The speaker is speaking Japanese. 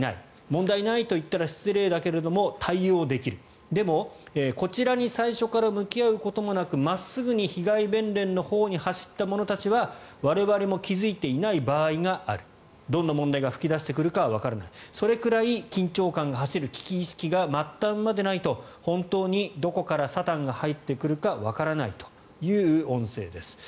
問題ないと言ったら失礼だけれども対応できるでも、こちらに最初から向き合うこともなく真っすぐに被害弁連のほうに走った者たちは我々も気付いていない場合があるどんな問題が噴き出してくるかはわからないそれくらい緊張感が走る危機意識が末端までないと、本当にどこからサタンが入ってくるかわからないという音声です。